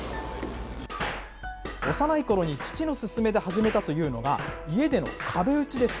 幼いころに父の勧めで始めたというのが、家での壁打ちです。